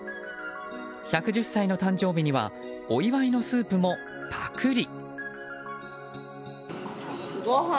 １１０歳の誕生日にはお祝いのスープもパクリ。